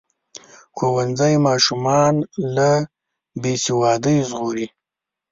ښوونځی ماشومان له بې سوادۍ ژغوري.